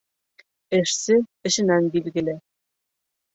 Эшсе эшенән билгеле.